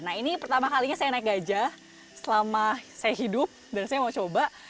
nah ini pertama kalinya saya naik gajah selama saya hidup dan saya mau coba